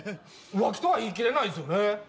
浮気とは言い切れないですよね？